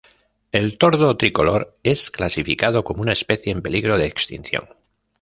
El tordo tricolor es clasificado como una especie en peligro de extinción.